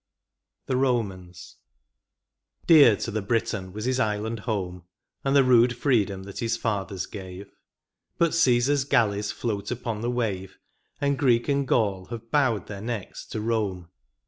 IV. THE ROMANS. Dear to the Briton was his island home And the rude freedom that his fathers gave. But CflBsar's galleys float upon the wave, And Greek and Gaul have bowed their necks to Bome.